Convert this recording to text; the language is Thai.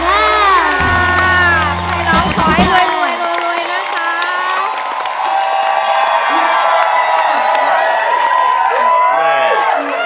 ให้ร้องขอให้รวยรวยรวยรวยนะคะ